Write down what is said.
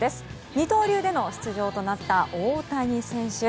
二刀流での出場となった大谷選手